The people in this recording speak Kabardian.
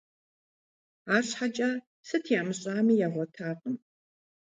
АрщхьэкӀэ, сыт ямыщӀами, ягъуэтакъым.